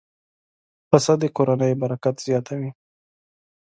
پسه د کورنۍ برکت زیاتوي.